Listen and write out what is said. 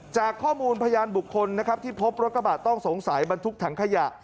จากข้อมูลพยานบุคคลนะครับที่พบรถกระบะต้องสงสัยบรรทุกถังขยะ